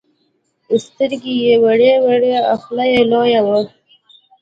سترگې يې وړې وړې او خوله يې لويه وه.